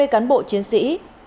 hai mươi cán bộ chiến sĩ